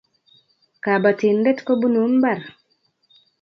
kabatindet kobunu mbar